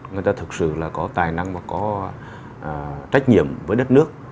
người ta thực sự là có tài năng và có trách nhiệm với đất nước